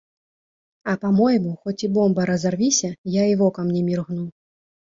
А па-мойму, хоць і бомба разарвіся, я і вокам не міргну.